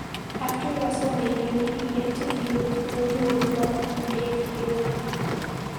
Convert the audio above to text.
After WrestleMania, he began to feud with William Regal and Dave Taylor.